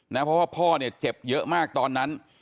เพราะว่าพ่อเนี่ยเจ็บเยอะมากตอนนั้น